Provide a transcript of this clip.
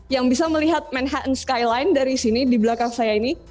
dan bisa melihat manhattan skyline dari sini di belakang saya ini